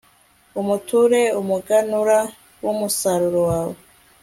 umuture umuganura w'umusaruro wawe